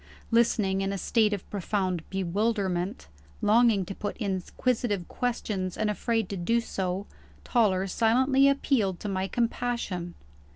Listening in a state of profound bewilderment longing to put inquisitive questions, and afraid to do so Toller silently appealed to my compassion.